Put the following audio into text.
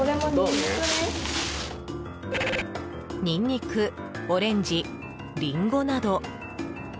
ニンニク、オレンジリンゴなど。